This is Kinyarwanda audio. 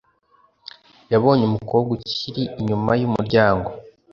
yabonye umukobwa ukiri inyuma yumuryango